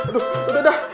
aduh udah dah